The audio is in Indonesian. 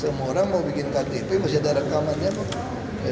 semua orang mau bikin iktp masih ada rekamannya kok